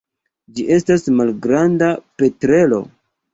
Ĝi estas malgranda petrelo.